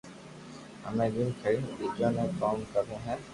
ايني ختم ڪرين بيجو بو ڪوم ڪروُ ھي